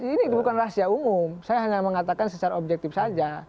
ini bukan rahasia umum saya hanya mengatakan secara objektif saja